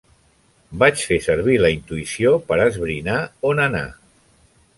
Vaig fer servir la intuïció per esbrinar on anar.